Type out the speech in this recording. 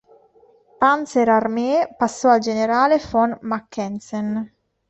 Panzerarmee passò al generale von Mackensen.